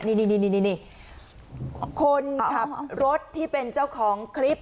นี่คนขับรถที่เป็นเจ้าของคลิป